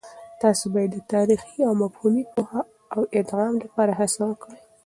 تاسې باید د تاريخي او مفهومي پوهه د ادغام لپاره هڅه وکړئ.